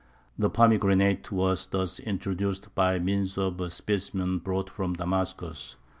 The pomegranate was thus introduced by means of a specimen brought from Damascus.